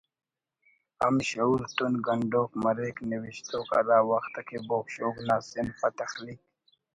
ہم شعور تون گنڈوک مریک نوشتوک ہرا وخت کہ بوگ شوگ نا صنف آ تخلیق